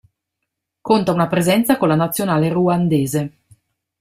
Conta una presenza con la Nazionale ruandese.